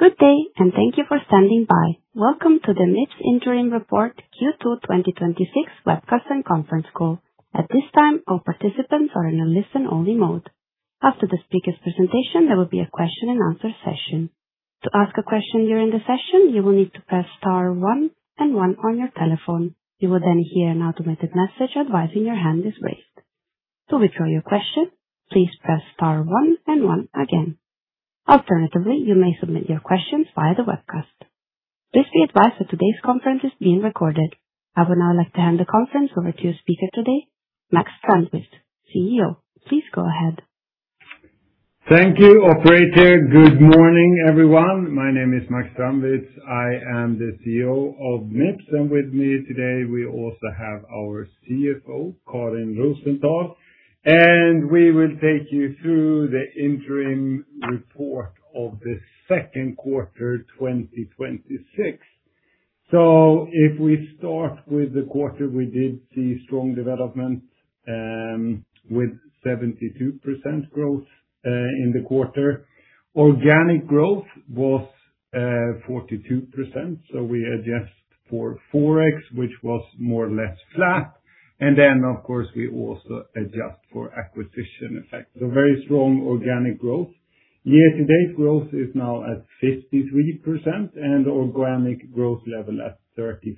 Good day, and thank you for standing by. Welcome to the Mips Interim Report Q2 2026 webcast and conference call. At this time, all participants are in a listen-only mode. After the speaker's presentation, there will be a question-and-answer session. To ask a question during the session, you will need to press star one and one on your telephone. You will then hear an automated message advising your hand is raised. To withdraw your question, please press star one and one again. Alternatively, you may submit your questions via the webcast. Please be advised that today's conference is being recorded. I would now like to hand the conference over to your speaker today, Max Strandwitz, CEO. Please go ahead. Thank you, operator. Good morning, everyone. My name is Max Strandwitz. I am the CEO of Mips, and with me today, we also have our CFO, Karin Rosenthal, and we will take you through the interim report of the second quarter 2026. If we start with the quarter, we did see strong development with 72% growth in the quarter. Organic growth was 42%. We adjust for FX, which was more or less flat. Of course, we also adjust for acquisition effect. Very strong organic growth. Year-to-date growth is now at 53% and organic growth level at 35%.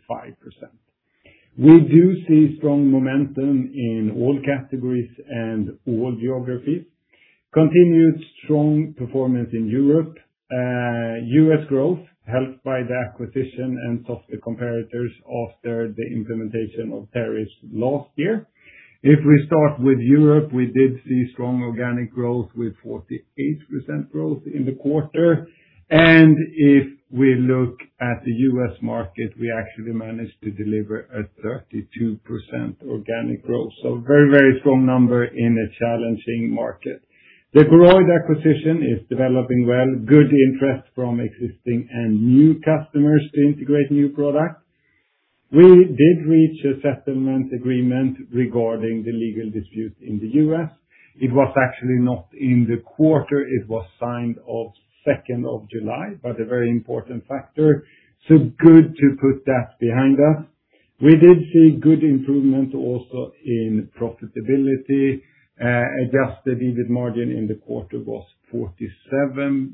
We do see strong momentum in all categories and all geographies. Continued strong performance in Europe. U.S. growth helped by the acquisition and softer comparators after the implementation of tariffs last year. If we start with Europe, we did see strong organic growth with 48% growth in the quarter. If we look at the U.S. market, we actually managed to deliver a 32% organic growth. Very strong number in a challenging market. The Koroyd acquisition is developing well. Good interest from existing and new customers to integrate new products. We did reach a settlement agreement regarding the legal dispute in the U.S. It was actually not in the quarter. It was signed of 2nd of July, but a very important factor. Good to put that behind us. We did see good improvement also in profitability. Adjusted EBIT margin in the quarter was 47%.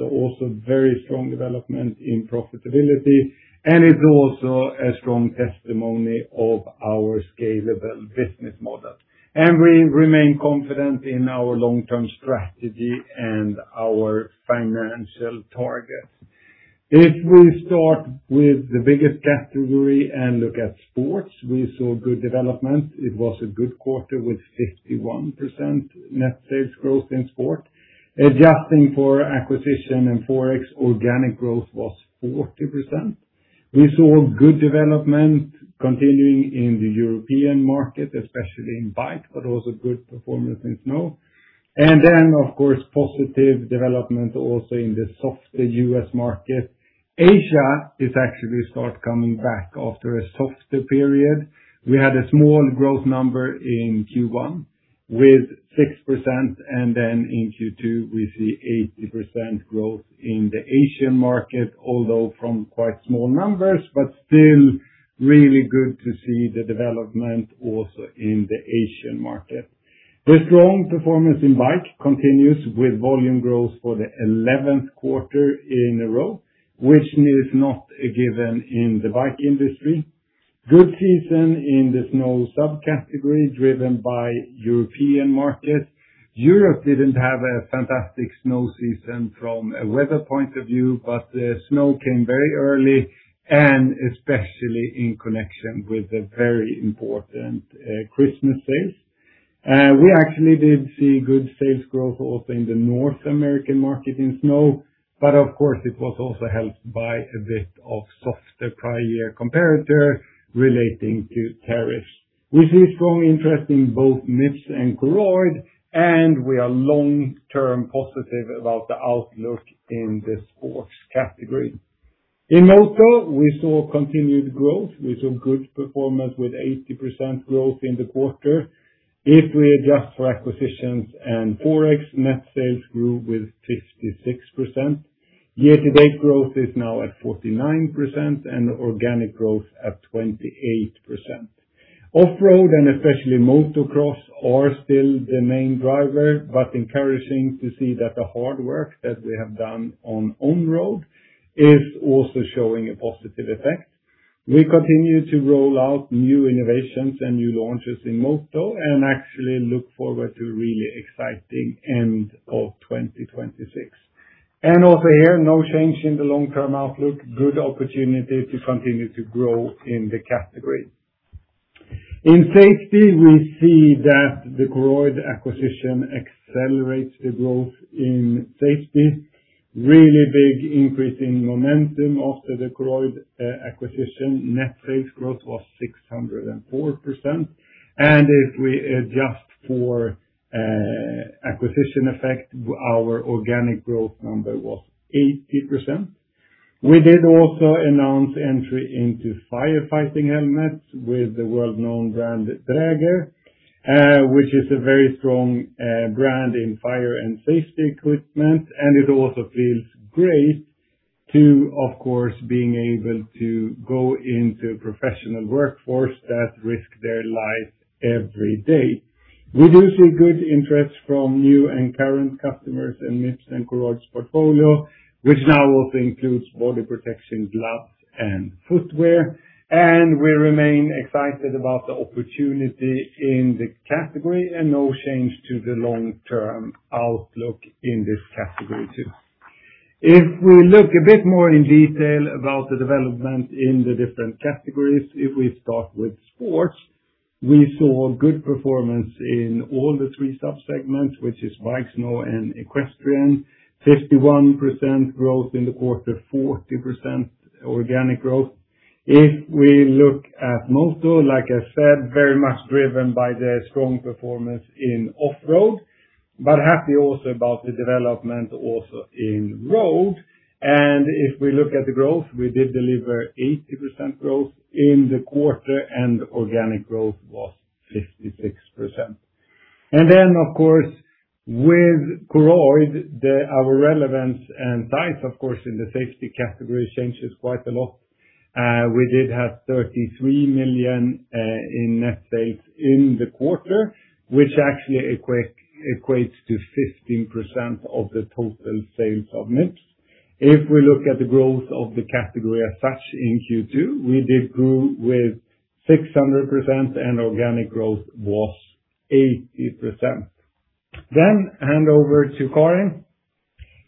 Also very strong development in profitability, and it's also a strong testimony of our scalable business model. We remain confident in our long-term strategy and our financial targets. If we start with the biggest category and look at sports, we saw good development. It was a good quarter with 51% net sales growth in sport. Adjusting for acquisition and forex, organic growth was 40%. We saw good development continuing in the European market, especially in bike, but also good performance in snow. Of course, positive development also in the softer U.S. market. Asia is actually start coming back after a softer period. We had a small growth number in Q1 with 6%. In Q2 we see 80% growth in the Asian market, although from quite small numbers, but still really good to see the development also in the Asian market. The strong performance in bike continues with volume growth for the 11th quarter in a row, which is not a given in the bike industry. Good season in the snow subcategory driven by European markets. Europe didn't have a fantastic snow season from a weather point of view, but the snow came very early and especially in connection with the very important Christmas sales. We actually did see good sales growth also in the North American market in snow. Of course, it was also helped by a bit of softer prior year comparator relating to tariffs. We see strong interest in both Mips and Koroyd, and we are long-term positive about the outlook in the sports category. In Moto, we saw continued growth. We saw good performance with 80% growth in the quarter. If we adjust for acquisitions and forex, net sales grew with 56%. Year-to-date growth is now at 49% and organic growth at 28%. Off-road and especially Motocross are still the main driver, encouraging to see that the hard work that we have done on road is also showing a positive effect. We continue to roll out new innovations and new launches in Moto and actually look forward to a really exciting end of 2026. Also here, no change in the long-term outlook. Good opportunity to continue to grow in the category. In safety, we see that the Koroyd acquisition accelerates the growth in safety. Really big increase in momentum after the Koroyd acquisition. Net sales growth was 604%. If we adjust for acquisition effect, our organic growth number was 80%. We did also announce entry into firefighting helmets with the well-known brand Dräger, which is a very strong brand in fire and safety equipment. It also feels great to, of course, being able to go into professional workforce that risk their lives every day. We do see good interest from new and current customers in Mips and Koroyd's portfolio, which now also includes body protection gloves and footwear. We remain excited about the opportunity in the category and no change to the long-term outlook in this category too. If we look a bit more in detail about the development in the different categories, if we start with sports, we saw good performance in all the three sub-segments, which is bike, snow, and equestrian, 51% growth in the quarter, 40% organic growth. If we look at Moto, like I said, very much driven by the strong performance in off-road, happy also about the development also in road. If we look at the growth, we did deliver 80% growth in the quarter, and organic growth was 56%. Of course, with Koroyd, our relevance and size, of course, in the safety category changes quite a lot. We did have 33 million in net sales in the quarter, which actually equates to 15% of the total sales of Mips. If we look at the growth of the category as such in Q2, we did grow with 600% and organic growth was 80%. Then hand over to Karin.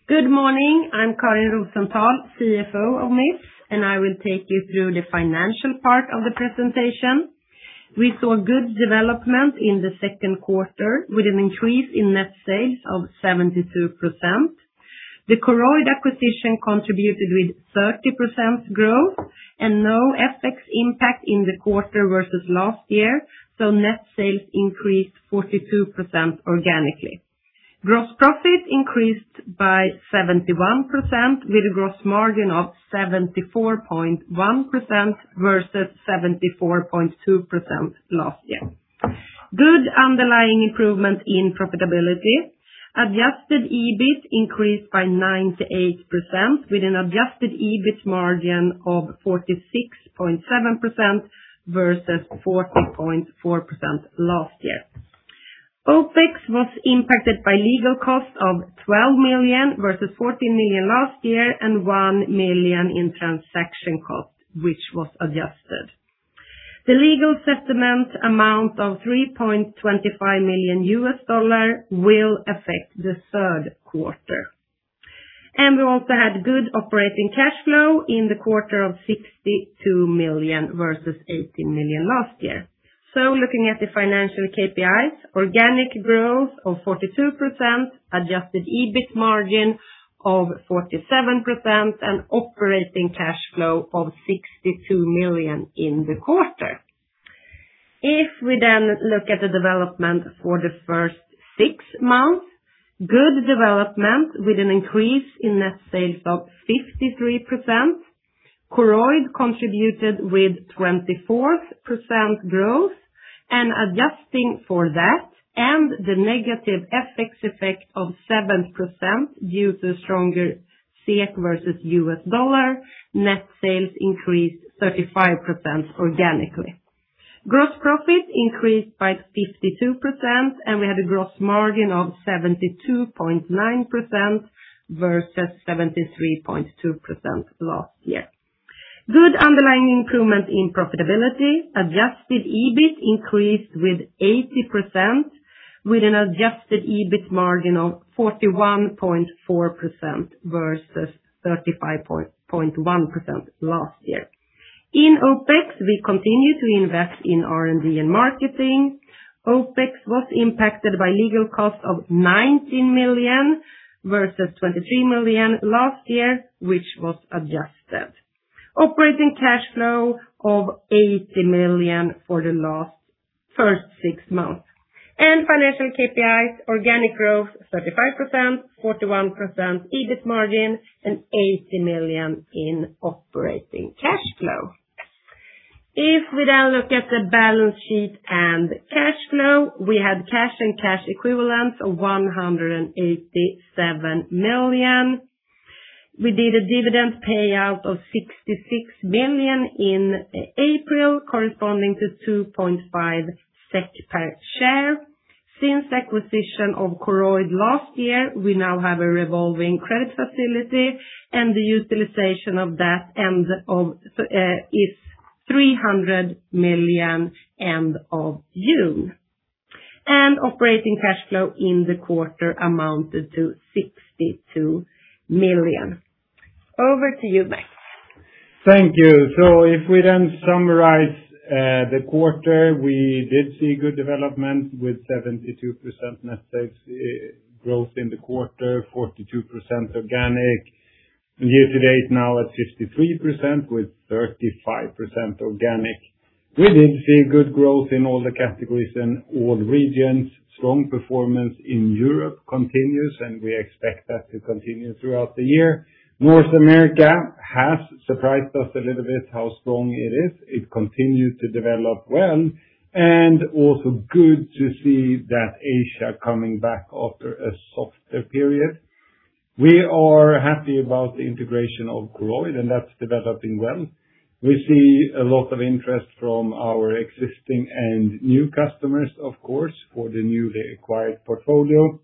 Good morning. I'm Karin Rosenthal, CFO of Mips, I will take you through the financial part of the presentation. We saw good development in the second quarter with an increase in net sales of 72%. The Koroyd acquisition contributed with 30% growth and no FX impact in the quarter versus last year, net sales increased 42% organically. Gross profit increased by 71%, with a gross margin of 74.1% versus 74.2% last year. Good underlying improvement in profitability. Adjusted EBIT increased by 98%, with an adjusted EBIT margin of 46.7% versus 40.4% last year. OpEx was impacted by legal costs of 12 million versus 14 million last year and 1 million in transaction cost, which was adjusted. The legal settlement amount of $3.25 million will affect the third quarter. We also had good operating cash flow in the quarter of 62 million versus 18 million last year. Looking at the financial KPIs, organic growth of 42%, adjusted EBIT margin of 47%, and operating cash flow of 62 million in the quarter. If we then look at the development for the first six months, good development with an increase in net sales of 53%. Koroyd contributed with 24% growth, adjusting for that and the negative FX effect of 7% due to stronger SEK versus U.S. dollar, net sales increased 35% organically. Gross profit increased by 52%, we had a gross margin of 72.9% versus 73.2% last year. Good underlying improvement in profitability. Adjusted EBIT increased with 80%, with an adjusted EBIT margin of 41.4% versus 35.1% last year. In OpEx, we continue to invest in R&D and marketing. OpEx was impacted by legal costs of 19 million versus 23 million last year, which was adjusted. Operating cash flow of 80 million for the first six months. Financial KPIs, organic growth 35%, 41% EBIT margin, and 80 million in operating cash flow. If we now look at the balance sheet and cash flow, we had cash and cash equivalents of 187 million. We did a dividend payout of 66 million in April, corresponding to 2.5 SEK per share. Since acquisition of Koroyd last year, we now have a revolving credit facility, the utilization of that is 300 million end of June. Operating cash flow in the quarter amounted to 62 million. Over to you, Max. Thank you. If we then summarize the quarter, we did see good development with 72% net sales growth in the quarter, 42% organic. Year to date now at 53% with 35% organic. We did see good growth in all the categories and all regions. Strong performance in Europe continues, we expect that to continue throughout the year. North America has surprised us a little bit how strong it is. It continued to develop well, also good to see that Asia coming back after a softer period. We are happy about the integration of Koroyd, that's developing well. We see a lot of interest from our existing and new customers, of course, for the newly acquired portfolio.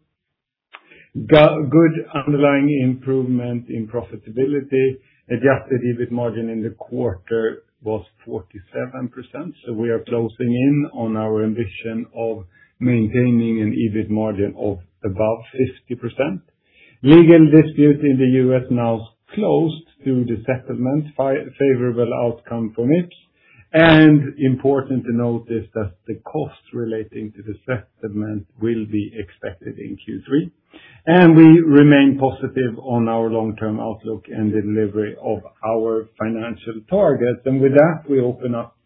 Good underlying improvement in profitability. Adjusted EBIT margin in the quarter was 47%, we are closing in on our ambition of maintaining an EBIT margin of above 50%. Legal dispute in the U.S. now closed through the settlement, favorable outcome from it. Important to notice that the cost relating to the settlement will be expected in Q3. We remain positive on our long-term outlook and delivery of our financial targets. With that, we open up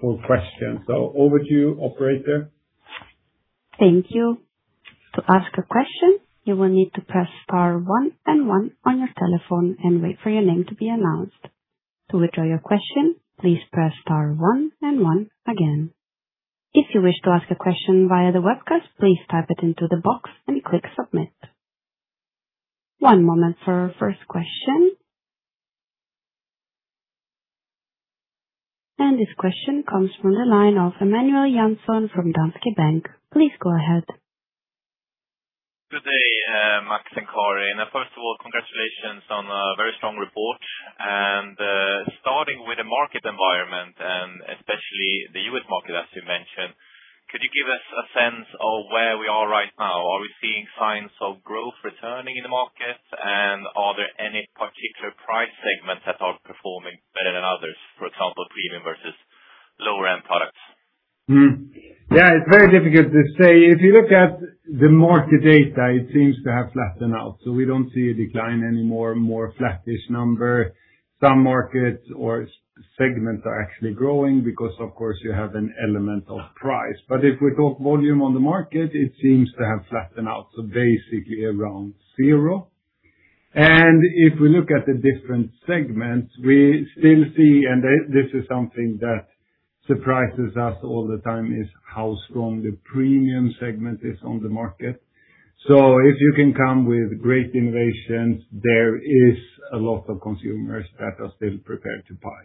for questions. Over to you, operator. Thank you. To ask a question, you will need to press star one and one on your telephone and wait for your name to be announced. To withdraw your question, please press star one and one again. If you wish to ask a question via the webcast, please type it into the box and click submit. One moment for our first question. This question comes from the line of Emanuel Jansson from Danske Bank. Please go ahead. Good day, Max and Karin. First of all, congratulations on a very strong report. Starting with the market environment and especially the U.S. market, as you mentioned, could you give us a sense of where we are right now? Are we seeing signs of growth returning in the market, and are there any particular price segments that are performing better than others, for example, premium versus lower-end products? Yeah, it's very difficult to say. If you look at the market data, it seems to have flattened out. We don't see a decline anymore, more flattish number. Some markets or segments are actually growing because, of course, you have an element of price. If we talk volume on the market, it seems to have flattened out, so basically around zero. If we look at the different segments, we still see, and this is something that surprises us all the time, is how strong the premium segment is on the market. If you can come with great innovations, there is a lot of consumers that are still prepared to buy.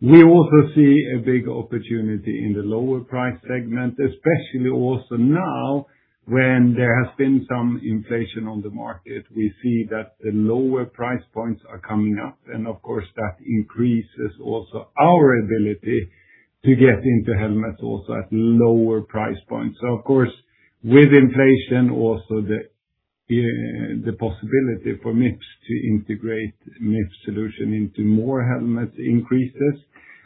We also see a big opportunity in the lower price segment, especially also now when there has been some inflation on the market. We see that the lower price points are coming up. Of course, that increases also our ability to get into helmets also at lower price points. Of course, with inflation also the possibility for Mips to integrate Mips solution into more helmets increases.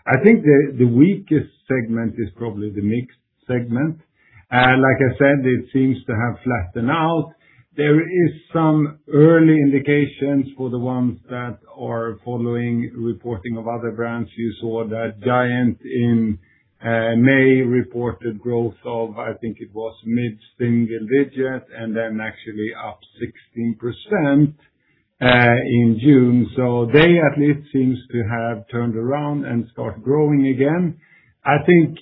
I think the weakest segment is probably the mixed segment. Like I said, it seems to have flattened out. There is some early indications for the ones that are following reporting of other brands. You saw that Giant in May reported growth of, I think it was mid-single digit, and then actually up 16% in June. They at least seem to have turned around and start growing again. I think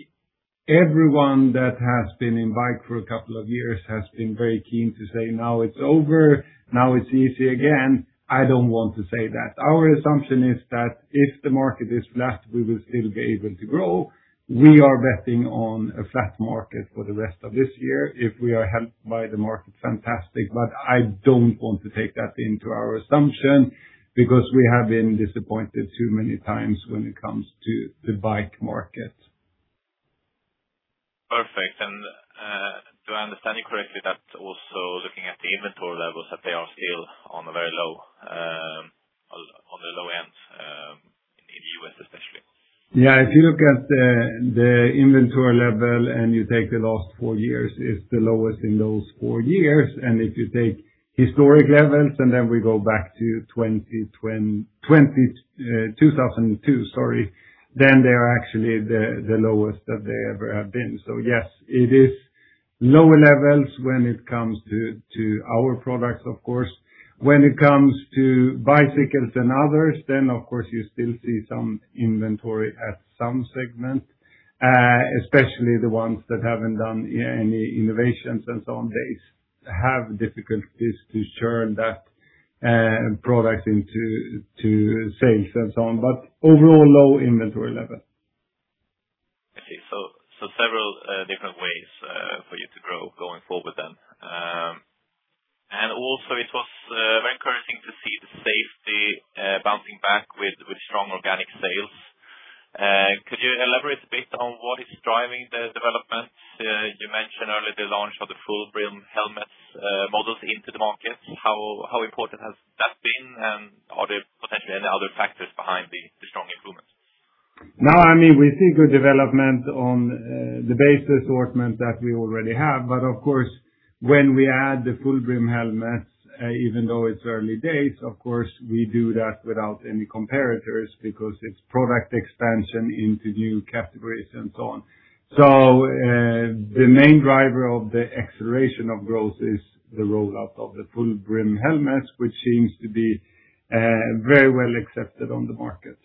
everyone that has been in bike for a couple of years has been very keen to say, "Now it's over. Now it's easy again." I don't want to say that. Our assumption is that if the market is flat, we will still be able to grow. We are betting on a flat market for the rest of this year. If we are helped by the market, fantastic, I don't want to take that into our assumption because we have been disappointed too many times when it comes to the bike market. Perfect. Do I understand you correctly that also looking at the inventory levels, that they are still on the low end, in the U.S. especially? Yeah. If you look at the inventory level and you take the last four years, it's the lowest in those four years. If you take historic levels and then we go back to 2002, then they're actually the lowest that they ever have been. Yes, it is lower levels when it comes to our products, of course. When it comes to bicycles and others, then of course you still see some inventory at some segments, especially the ones that haven't done any innovations and so on. They have difficulties to turn that product into sales and so on. Overall, low inventory level. I see. Several different ways for you to grow going forward then. Also it was very encouraging to see the safety bouncing back with strong organic sales. Could you elaborate a bit on what is driving the development? You mentioned earlier the launch of the full brim helmets models into the market. How important has that been, and are there potentially any other factors behind the strong improvements? Now, we see good development on the base assortment that we already have. Of course when we add the full brim helmets, even though it's early days, of course, we do that without any comparators because it's product expansion into new categories and so on. The main driver of the acceleration of growth is the rollout of the full brim helmets, which seems to be very well accepted on the market.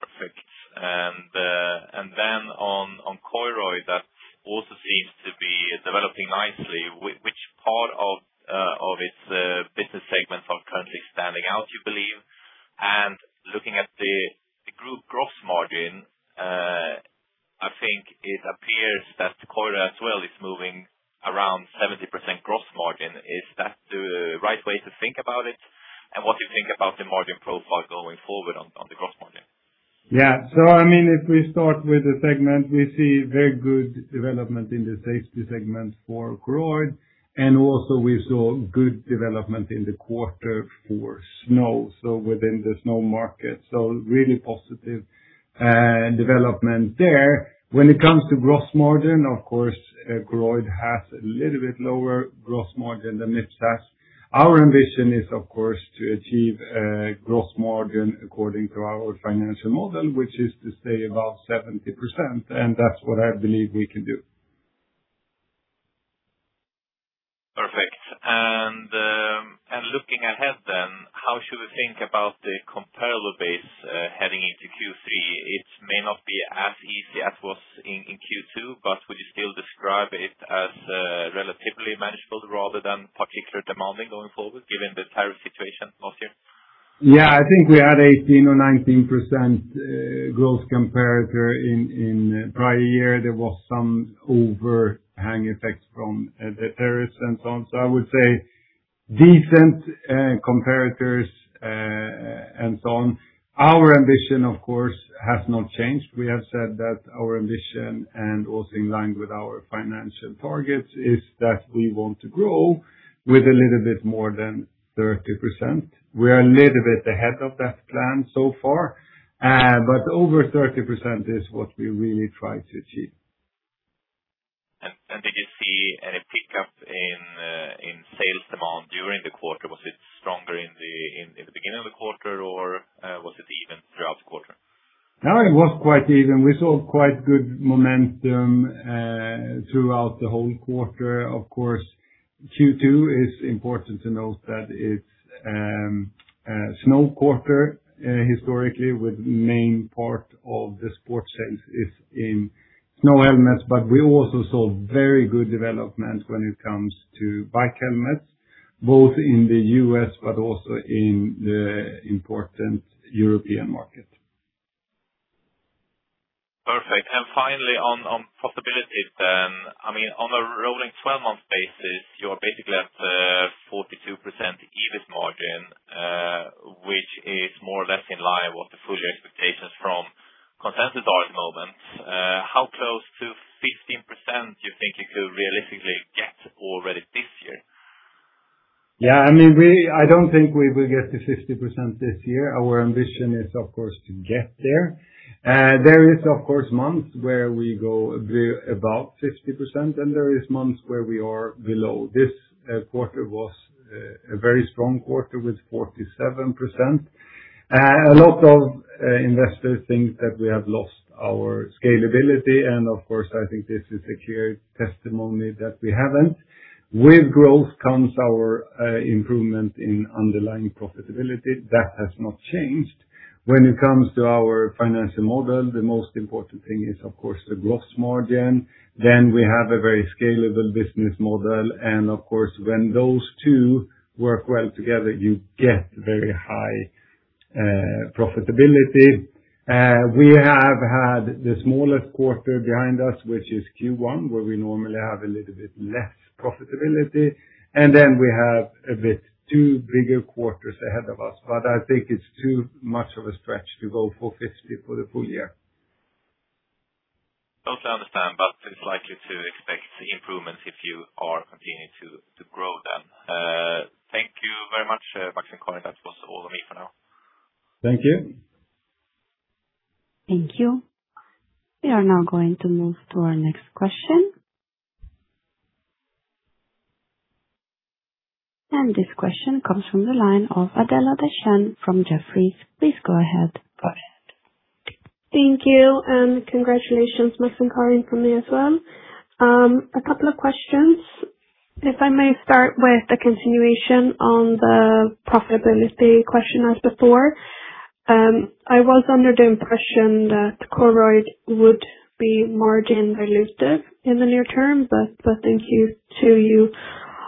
Perfect. Then on Koroyd, that also seems to be developing nicely, which part of its business segments are currently standing out, you believe? Looking at the group gross margin, I think it appears that Koroyd as well is moving around 70% gross margin. Is that the right way to think about it? What do you think about the margin profile going forward on the gross margin? Yeah. If we start with the segment, we see very good development in the safety segment for Koroyd, also we saw good development in the quarter for snow, so within the snow market. Really positive development there. When it comes to gross margin, of course, Koroyd has a little bit lower gross margin than Mips has. Our ambition is, of course, to achieve a gross margin according to our financial model, which is to say about 70%, and that's what I believe we can do. Perfect. Looking ahead then, how should we think about the comparable base heading into Q3? It may not be as easy as was in Q2, but would you still describe it as relatively manageable rather than particularly demanding going forward given the tariff situation last year? Yeah, I think we had 18% or 19% gross comparator in prior year. There was some overhang effects from the tariffs and so on. I would say decent comparators and so on. Our ambition, of course, has not changed. We have said that our ambition and also in line with our financial targets is that we want to grow with a little bit more than 30%. We are a little bit ahead of that plan so far, but over 30% is what we really try to achieve. Did you see any pickup in sales demand during the quarter? Was it stronger in the beginning of the quarter, or was it even throughout the quarter? No, it was quite even. We saw quite good momentum throughout the whole quarter. Of course, Q2 is important to note that it's a snow quarter historically with main part of the sports sales is in snow helmets, but we also saw very good development when it comes to bike helmets, both in the U.S. but also in the important European market. Perfect. Finally, on profitability then. On a rolling 12-month basis, you're basically at 42% EBIT margin, which is more or less in line with the full year expectations from consensus at this moment. How close to 15% do you think you could realistically get already this year? I don't think we will get to 50% this year. Our ambition is, of course, to get there. There is, of course, months where we go above 50%, and there is months where we are below. This quarter was a very strong quarter with 47%. A lot of investors think that we have lost our scalability, of course, I think this is a clear testimony that we haven't. With growth comes our improvement in underlying profitability. That has not changed. When it comes to our financial model, the most important thing is, of course, the gross margin. We have a very scalable business model, of course, when those two work well together, you get very high profitability. We have had the smallest quarter behind us, which is Q1, where we normally have a little bit less profitability, we have a bit two bigger quarters ahead of us. I think it's too much of a stretch to go for 50% for the full year. Totally understand, it's likely to expect improvements if you are continuing to grow then. Thank you very much, Max and Karin. That was all from me for now. Thank you. Thank you. We are now going to move to our next question. This question comes from the line of Adela Dashian from Jefferies. Please go ahead. Go ahead. Thank you, and congratulations, Max and Karin, from me as well. A couple of questions. If I may start with a continuation on the profitability question asked before. I was under the impression that Koroyd would be margin dilutive in the near term, but listening to you,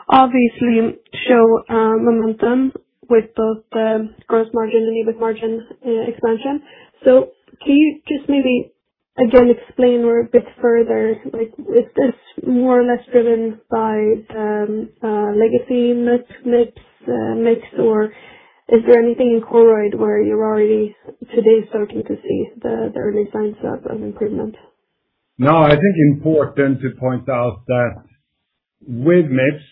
obviously show momentum with both the gross margin and EBIT margin expansion. Can you just maybe again explain a bit further? Is this more or less driven by legacy Mips mix, or is there anything in Koroyd where you're already today starting to see the early signs of an improvement? I think important to point out that with Mips,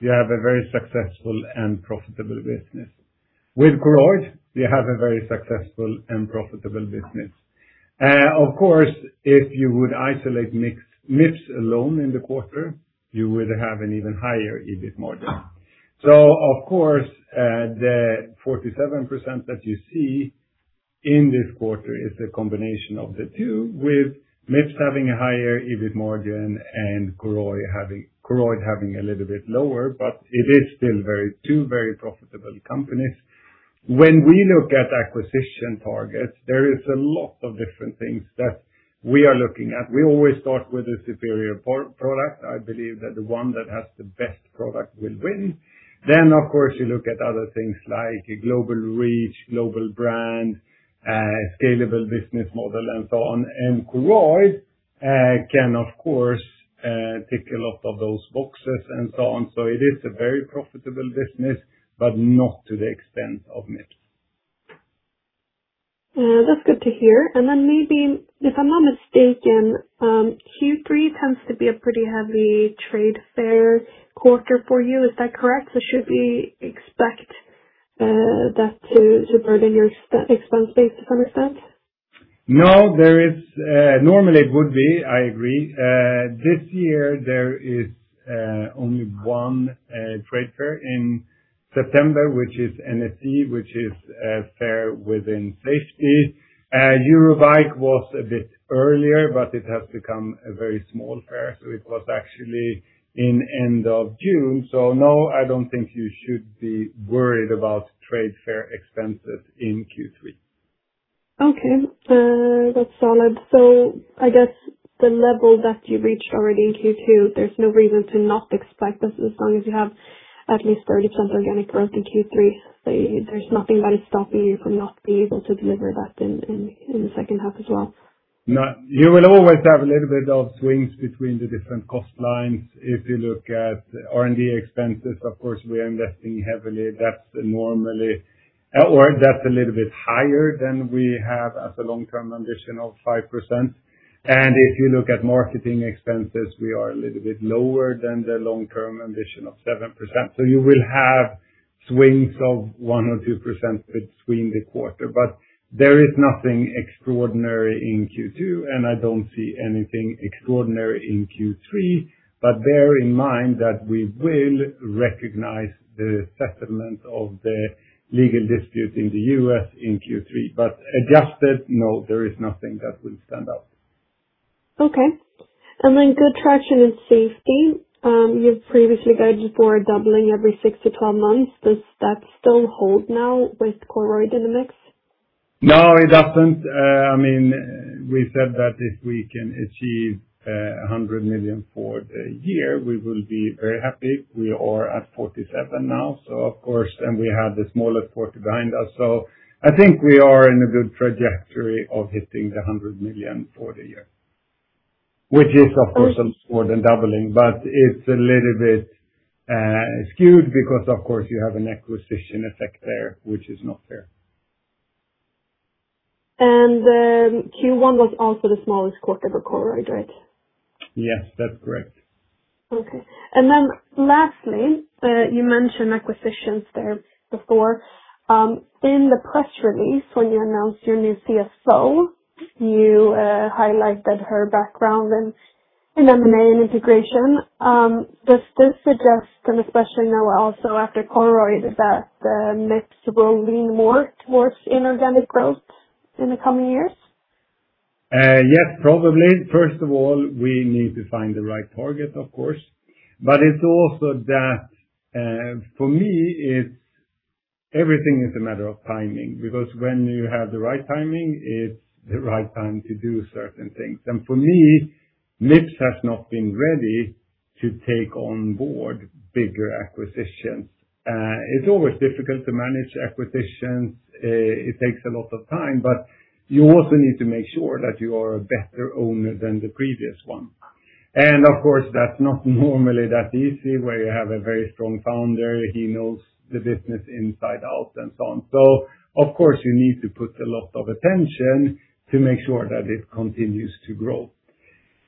you have a very successful and profitable business. With Koroyd, we have a very successful and profitable business. Of course, if you would isolate Mips alone in the quarter, you would have an even higher EBIT margin. Of course, the 47% that you see in this quarter is a combination of the two, with Mips having a higher EBIT margin and Koroyd having a little bit lower, but it is still two very profitable companies. When we look at acquisition targets, there is a lot of different things that we are looking at. We always start with a superior product. I believe that the one that has the best product will win. Of course, you look at other things like global reach, global brand, scalable business model, and so on. Koroyd can, of course, tick a lot of those boxes and so on. It is a very profitable business, but not to the extent of Mips. That's good to hear. Maybe, if I'm not mistaken, Q3 tends to be a pretty heavy trade fair quarter for you. Is that correct? Should we expect that to burden your expense base to some extent? No. Normally it would be, I agree. This year, there is only one trade fair in September, which is NSC, which is a fair within safety. Eurobike was a bit earlier, but it has become a very small fair, it was actually in end of June. No, I don't think you should be worried about trade fair expenses in Q3. Okay. That's solid. I guess the level that you reached already in Q2, there's no reason to not expect as long as you have at least 30% organic growth in Q3. There's nothing that is stopping you from not being able to deliver that in the second half as well. No. You will always have a little bit of swings between the different cost lines. If you look at R&D expenses, of course, we are investing heavily. That's a little bit higher than we have as a long-term ambition of 5%. If you look at marketing expenses, we are a little bit lower than the long-term ambition of 7%. You will have swings of 1% or 2% between the quarter. There is nothing extraordinary in Q2, and I don't see anything extraordinary in Q3. Bear in mind that we will recognize the settlement of the legal dispute in the U.S. in Q3. Adjusted, no, there is nothing that will stand out. Okay. Good traction in safety. You've previously guided for a doubling every 6-12 months. Does that still hold now with Koroyd in the mix? No, it doesn't. We said that if we can achieve 100 million for the year, we will be very happy. We are at 47 now, and we have the smallest quarter behind us. I think we are in a good trajectory of hitting the 100 million for the year. Which is, of course, more than doubling, but it's a little bit skewed because, of course, you have an acquisition effect there, which is not fair. Q1 was also the smallest quarter for Koroyd, right? Yes, that's correct. Okay. Lastly, you mentioned acquisitions there before. In the press release, when you announced your new CSO, you highlighted her background in M&A and integration. Does this suggest, especially now also after Koroyd, that Mips will lean more towards inorganic growth in the coming years? Yes, probably. First of all, we need to find the right target, of course. It's also that, for me, everything is a matter of timing, because when you have the right timing, it's the right time to do certain things. For me, Mips has not been ready to take on board bigger acquisitions. It's always difficult to manage acquisitions. It takes a lot of time, but you also need to make sure that you are a better owner than the previous one. Of course, that's not normally that easy where you have a very strong founder. He knows the business inside out and so on. Of course, you need to put a lot of attention to make sure that it continues to grow.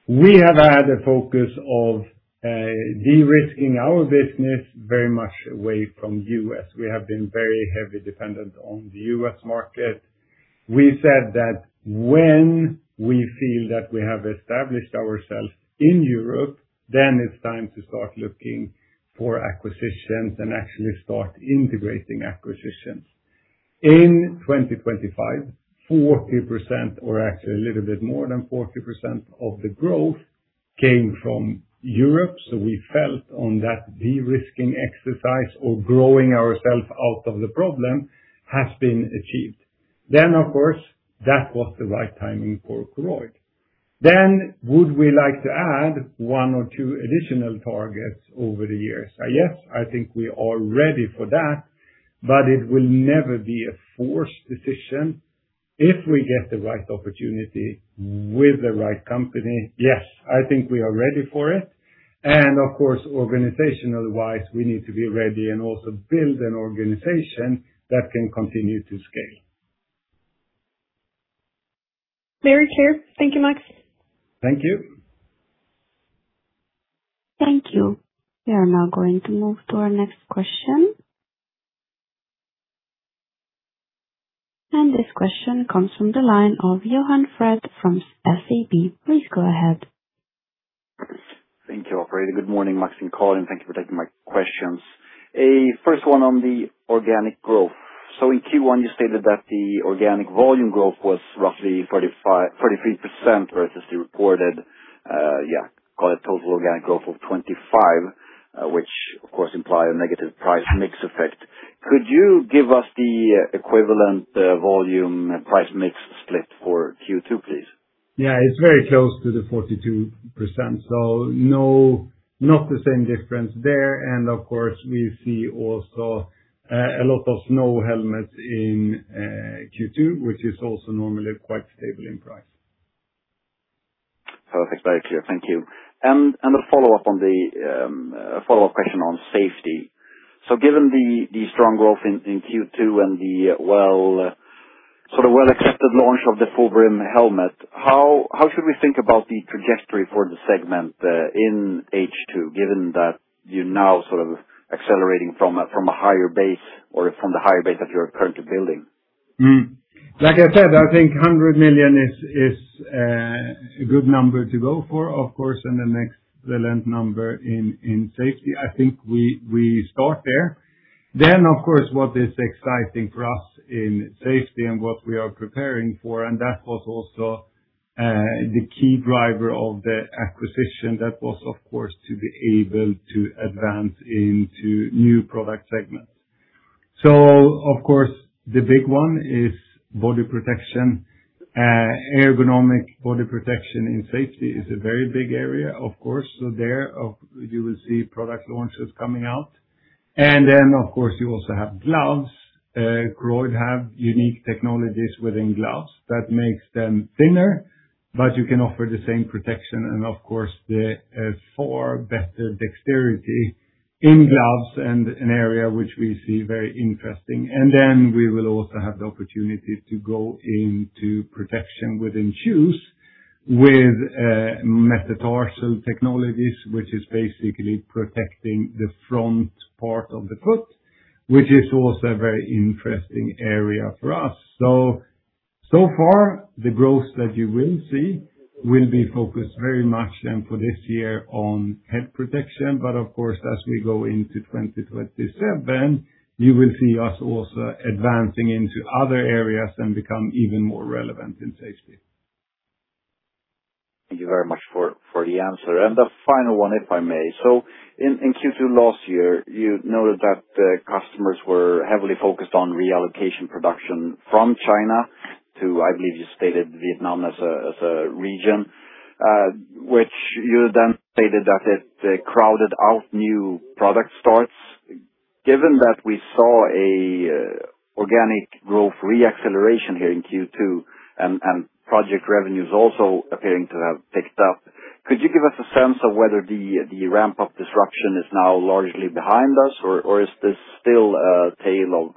We have had a focus of de-risking our business very much away from U.S. We have been very heavily dependent on the U.S. market. We said that when we feel that we have established ourselves in Europe, then it's time to start looking for acquisitions and actually start integrating acquisitions. In 2025, 40%, or actually a little bit more than 40% of the growth came from Europe. We felt on that de-risking exercise or growing ourselves out of the problem has been achieved. That was the right timing for Koroyd. Would we like to add one or two additional targets over the years? Yes, I think we are ready for that, but it will never be a forced decision. If we get the right opportunity with the right company, yes, I think we are ready for it. Of course, organization otherwise, we need to be ready and also build an organization that can continue to scale. Very clear. Thank you, Max. Thank you. Thank you. We are now going to move to our next question. This question comes from the line of Johan Fred from SEB. Please go ahead. Thank you, operator. Good morning, Max and Karin. Thank you for taking my questions. First one on the organic growth. In Q1, you stated that the organic volume growth was roughly 33% versus the reported total organic growth of 25%, which of course implied a negative price mix effect. Could you give us the equivalent volume price mix split for Q2, please? Yeah, it's very close to the 42%. No, not the same difference there. Of course, we see also a lot of snow helmets in Q2, which is also normally quite stable in price. Perfect. Very clear. Thank you. A follow-up question on safety. Given the strong growth in Q2 and the well accepted launch of the full brim helmet, how should we think about the trajectory for the segment in H2, given that you're now accelerating from a higher base or from the higher base that you're currently building? Like I said, I think 100 million is a good number to go for, of course. The next relevant number in safety. I think we start there. Of course, what is exciting for us in safety and what we are preparing for, and that was also the key driver of the acquisition that was, of course, to be able to advance into new product segments. Of course, the big one is body protection. Ergonomic body protection in safety is a very big area, of course. There you will see product launches coming out. Of course, you also have gloves. Koroyd have unique technologies within gloves that makes them thinner, but you can offer the same protection and of course, the far better dexterity in gloves and an area which we see very interesting. We will also have the opportunity to go into protection within shoes with metatarsal technologies, which is basically protecting the front part of the foot, which is also a very interesting area for us. Far, the growth that you will see will be focused very much then for this year on head protection. Of course, as we go into 2027, you will see us also advancing into other areas and become even more relevant in safety. Thank you very much for the answer. The final one, if I may. In Q2 last year, you noted that customers were heavily focused on reallocation production from China to, I believe you stated Vietnam as a region, which you then stated that it crowded out new product starts. Given that we saw an organic growth re-acceleration here in Q2 and project revenues also appearing to have picked up, could you give us a sense of whether the ramp-up disruption is now largely behind us? Or is there still a tail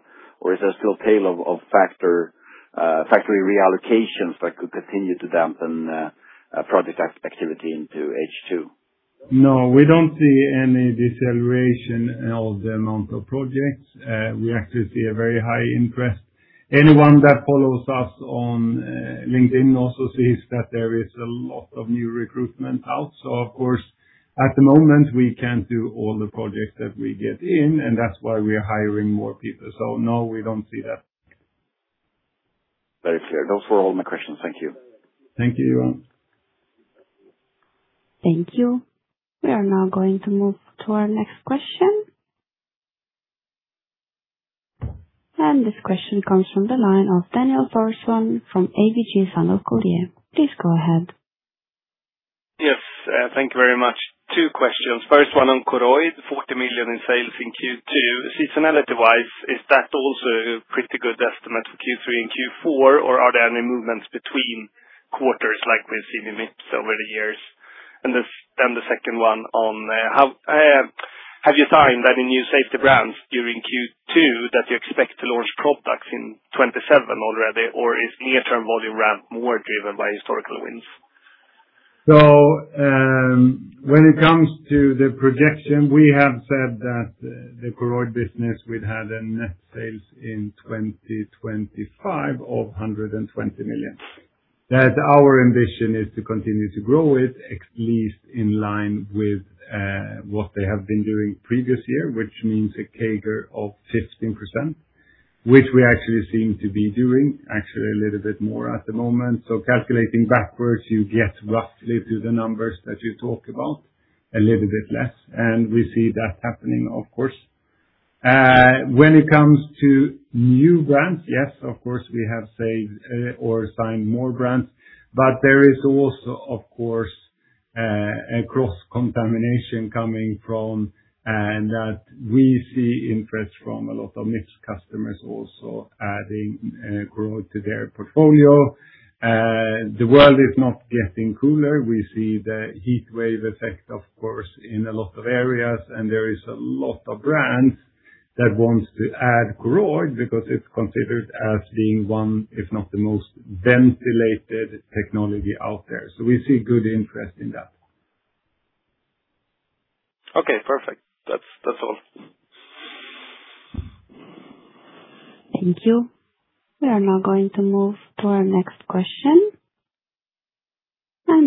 of factory reallocations that could continue to dampen project activity into H2? No, we don't see any deceleration of the amount of projects. We actually see a very high interest. Anyone that follows us on LinkedIn also sees that there is a lot of new recruitment out. Of course, at the moment, we can't do all the projects that we get in, and that's why we are hiring more people. No, we don't see that. Very clear. Those were all my questions. Thank you. Thank you, Johan. Thank you. We are now going to move to our next question. This question comes from the line of Daniel Thorsson from ABG Sundal Collier. Please go ahead. Yes. Thank you very much. Two questions. First one on Koroyd, 40 million in sales in Q2. Seasonality-wise, is that also a pretty good estimate for Q3 and Q4? Or are there any movements between quarters like we've seen in Mips over the years? The second one on, have you signed any new safety brands during Q2 that you expect to launch products in 2027 already? Or is near-term volume ramp more driven by historical wins? When it comes to the projection, we have said that the Koroyd business will have a net sales in 2025 of 120 million. That our ambition is to continue to grow it at least in line with what they have been doing previous year, which means a CAGR of 15%, which we actually seem to be doing actually a little bit more at the moment. Calculating backwards, you get roughly to the numbers that you talk about a little bit less. We see that happening, of course. When it comes to new brands, yes, of course, we have signed more brands, but there is also, of course, a cross-contamination coming from, and that we see interest from a lot of Mips customers also adding growth to their portfolio. The world is not getting cooler. We see the heat wave effect, of course, in a lot of areas, and there is a lot of brands That wants to add Koroyd because it's considered as being one, if not the most ventilated technology out there. We see good interest in that. Okay, perfect. That's all. Thank you. We are now going to move to our next question.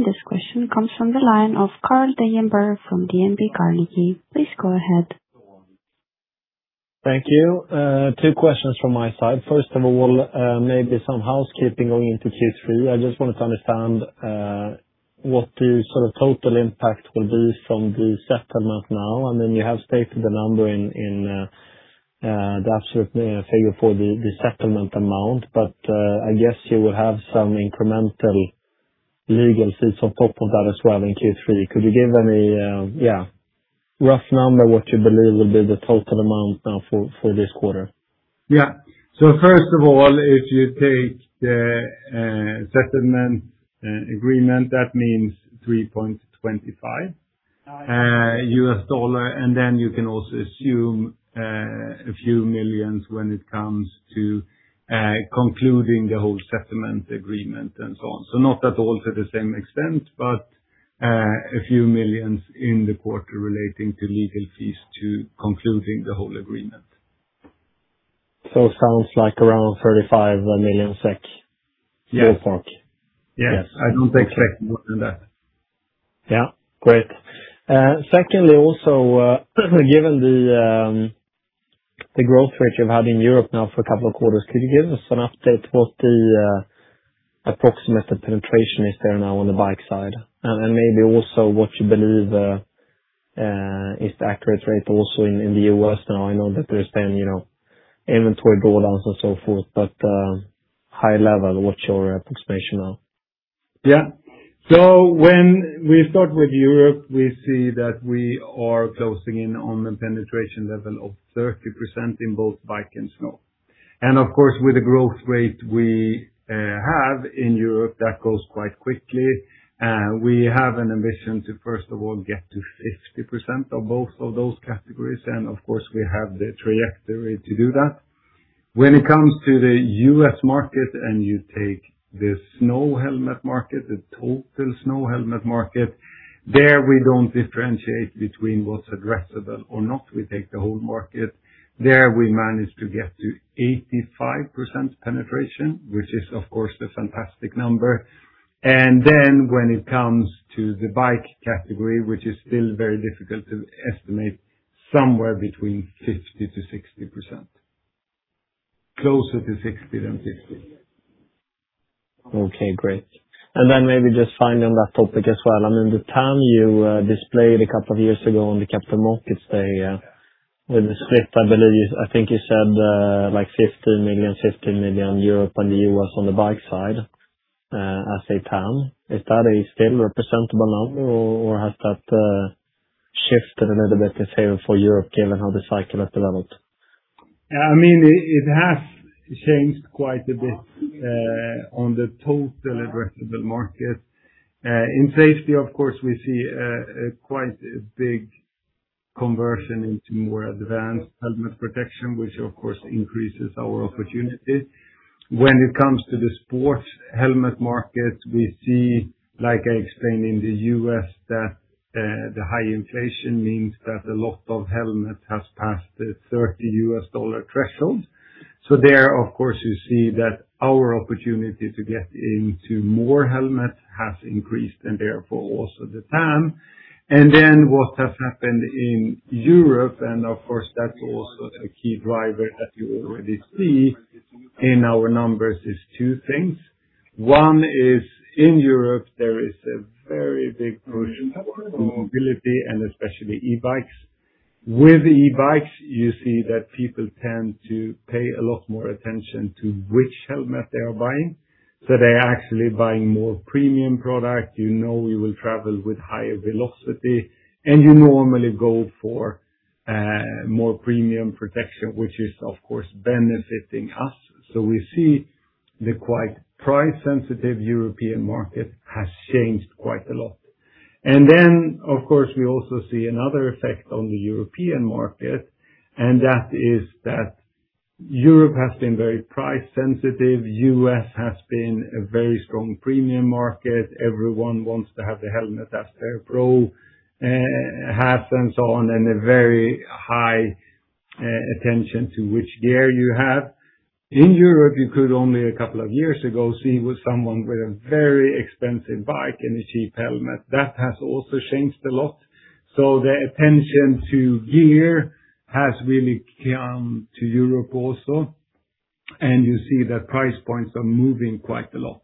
This question comes from the line of Carl Deijenberg from DNB Carnegie. Please go ahead. Thank you. Two questions from my side. First of all, maybe some housekeeping going into Q3. I just wanted to understand what the sort of total impact will be from the settlement now, you have stated the number in the absolute figure for the settlement amount. I guess you will have some incremental legal fees on top of that as well in Q3. Could you give any rough number what you believe will be the total amount now for this quarter? Yeah. First of all, if you take the settlement agreement, that means $3.25, you can also assume a few millions when it comes to concluding the whole settlement agreement and so on. Not at all to the same extent, but a few millions in the quarter relating to legal fees to concluding the whole agreement. It sounds like around 35 million. Yes ballpark. Yes. Yes. I don't expect more than that. Yeah. Great. Secondly, also, given the growth rate you've had in Europe now for a couple of quarters, could you give us an update what the approximate the penetration is there now on the bike side? Then maybe also what you believe is the accurate rate also in the U.S. now. I know that there's been inventory drawdowns and so forth, but high level, what's your approximation now? Yeah. When we start with Europe, we see that we are closing in on the penetration level of 30% in both bike and snow. Of course, with the growth rate we have in Europe, that goes quite quickly. We have an ambition to first of all, get to 50% of both of those categories, of course, we have the trajectory to do that. When it comes to the U.S. market and you take the snow helmet market, the total snow helmet market, there we don't differentiate between what's addressable or not. We take the whole market. There we managed to get to 85% penetration, which is of course a fantastic number. When it comes to the bike category, which is still very difficult to estimate, somewhere between 50%-60%. Closer to 60% than 50%. Okay, great. Maybe just finally on that topic as well, the TAM you displayed a couple of years ago on the capital markets day with the split, I believe, I think you said, 50 million, 50 million Europe and U.S. on the bike side as a TAM. Is that still a presentable number or has that shifted a little bit, let's say for Europe, given how the cycle has developed? It has changed quite a bit on the total addressable market. In safety, of course, we see quite a big conversion into more advanced helmet protection, which of course increases our opportunity. When it comes to the sports helmet market, we see, like I explained in the U.S., that the high inflation means that a lot of helmets have passed the $30 threshold. There, of course, you see that our opportunity to get into more helmets has increased and therefore also the TAM. What has happened in Europe, and of course, that's also a key driver that you already see in our numbers is two things. One is in Europe, there is a very big push in mobility and especially e-bikes. With e-bikes, you see that people tend to pay a lot more attention to which helmet they are buying, so they are actually buying more premium product. You know you will travel with higher velocity, and you normally go for more premium protection, which is, of course, benefiting us. We see the quite price-sensitive European market has changed quite a lot. Of course, we also see another effect on the European market, and that is that Europe has been very price sensitive. U.S. has been a very strong premium market. Everyone wants to have the helmet that Star Pro has and so on, and a very high attention to which gear you have. In Europe, you could only a couple of years ago see someone with a very expensive bike and a cheap helmet. That has also changed a lot. The attention to gear has really come to Europe also, and you see that price points are moving quite a lot.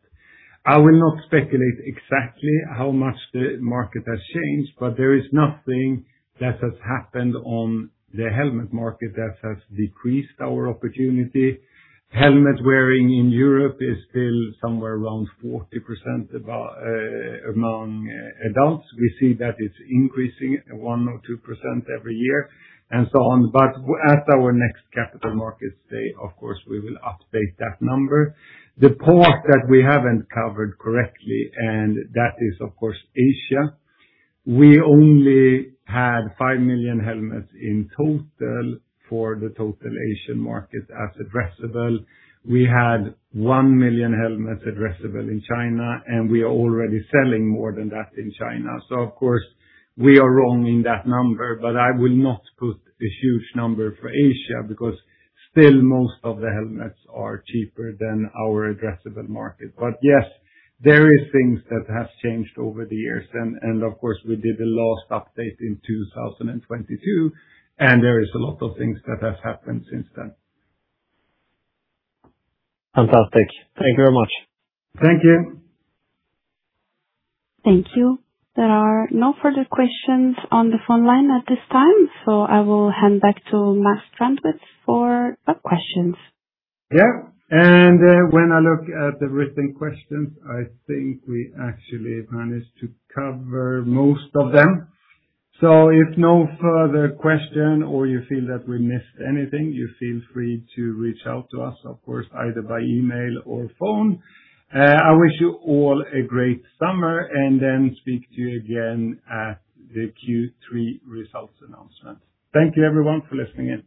I will not speculate exactly how much the market has changed, but there is nothing that has happened on the helmet market that has decreased our opportunity. Helmet wearing in Europe is still somewhere around 40% among adults. We see that it's increasing 1% or 2% every year and so on. At our next Capital Markets Day, of course, we will update that number. The part that we haven't covered correctly, and that is of course Asia. We only had 5 million helmets in total for the total Asian market as addressable. We had 1 million helmets addressable in China, and we are already selling more than that in China. Of course, we are wrong in that number, but I will not put a huge number for Asia because still most of the helmets are cheaper than our addressable market. Yes, there is things that have changed over the years and of course, we did the last update in 2022, and there is a lot of things that have happened since then. Fantastic. Thank you very much. Thank you. Thank you. There are no further questions on the phone line at this time, so I will hand back to Max Strandwitz for web questions. When I look at the written questions, I think we actually managed to cover most of them. If no further question or you feel that we missed anything, you feel free to reach out to us, of course, either by email or phone. I wish you all a great summer speak to you again at the Q3 results announcement. Thank you everyone for listening in.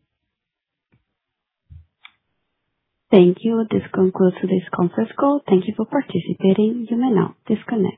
Thank you. This concludes this conference call. Thank you for participating. You may now disconnect.